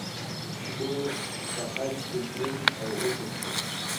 ګور په خج کې دروند او اوږد دی.